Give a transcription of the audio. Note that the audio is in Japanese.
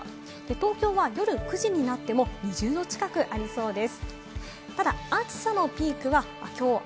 東京は夜９時になっても２０度近くありそうです。